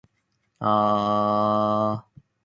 人気者。